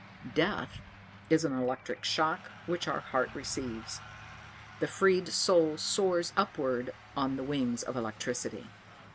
Death is an electric shock which our heart receives; the freed soul soars upwards on the wings of electricity.